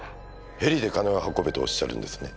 ヘリで金を運べとおっしゃるんですね？